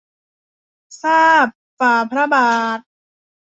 ทราบฝ่าพระบาท